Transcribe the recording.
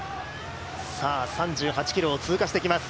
３８ｋｍを通過していきます。